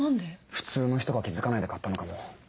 普通の人が気付かないで買ったのかも。